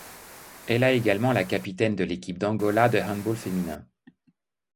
Elle a également la capitaine de l'équipe d'Angola de handball féminin.